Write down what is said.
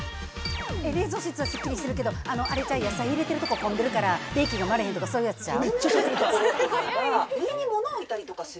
冷蔵室はすっきりしてるけど、野菜入れてるところ混んでるから、電気あがれへんとか、そんなやつちゃう？